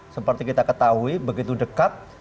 seperti kita ketahui begitu dekat